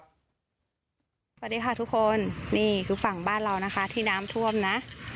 สวัสดีค่ะทุกคนนี่คือฝั่งบ้านเรานะคะที่น้ำท่วมนะ